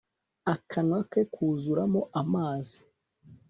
Akanwa ke kuzuramo amazi